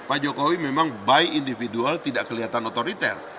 pak jokowi memang by individual tidak kelihatan otoriter